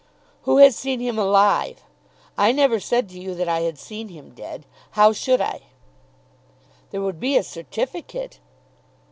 "Who has seen him alive? I never said to you that I had seen him dead. How should I?" "There would be a certificate."